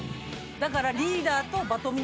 だから。